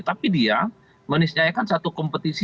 tapi dia menisayakan satu kompetisi